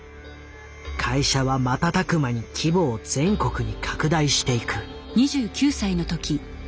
会社は瞬く間に規模を全国に拡大していく。